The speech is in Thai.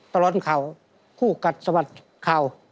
ตลอดข่าวคู่กับสวัสดิ์ข่าว